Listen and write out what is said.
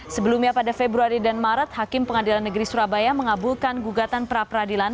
sebelumnya pada februari dan maret hakim pengadilan negeri surabaya mengabulkan gugatan pra peradilan